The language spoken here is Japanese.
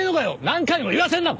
何回も言わせんな